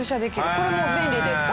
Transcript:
これも便利ですか？